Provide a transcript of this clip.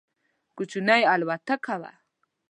کوچنۍ الوتکه وه.